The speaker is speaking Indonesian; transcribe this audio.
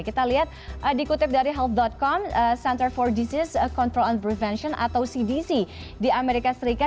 kita lihat dikutip dari health com center for disease control and prevention atau cdc di amerika serikat